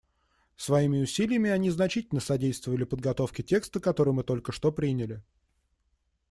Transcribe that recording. Своими усилиями они значительно содействовали подготовке текста, который мы только что приняли.